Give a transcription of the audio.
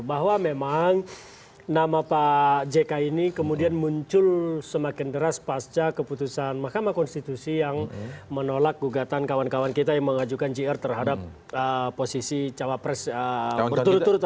bahwa memang nama pak jk ini kemudian muncul semakin deras pasca keputusan mahkamah konstitusi yang menolak gugatan kawan kawan kita yang mengajukan jr terhadap posisi cawapres berturut turut